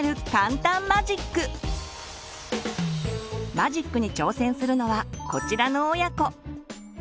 マジックに挑戦するのはこちらの親子。